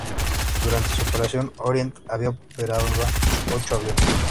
Durante su operación Orient Avia operaba ocho aviones.